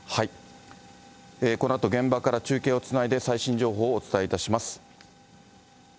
このあと、現場から中継をつないで、最新情報をお伝えいたします。